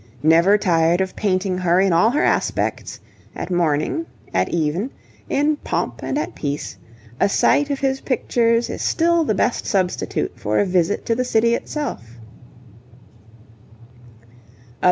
Never tired of painting her in all her aspects, at morning, at even, in pomp, and at peace, a sight of his pictures is still the best substitute for a visit to the city itself.